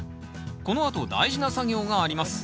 このあと大事な作業があります